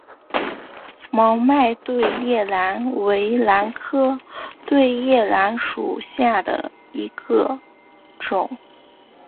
毛脉对叶兰为兰科对叶兰属下的一个种。